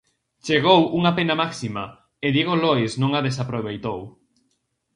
Chegou unha pena máxima e Diego Lois non a desaproveitou.